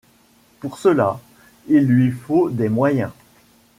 Pour cela, il lui faut des moyens.